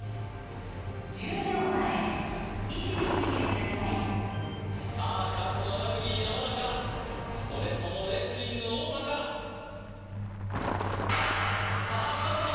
１０秒前位置についてくださいさあ勝つのはラグビー・山田かそれともレスリング・太田かさあスタート